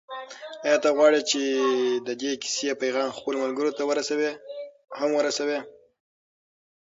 آیا ته غواړې چې د دې کیسې پیغام خپلو ملګرو ته هم ورسوې؟